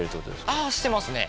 ああしてますね。